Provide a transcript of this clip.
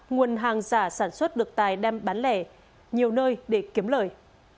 nguồn hàng giả sản xuất được tài đem bán lẻ nhiều nơi để kiếm lời